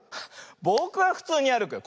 ぼくはふつうにあるくよ。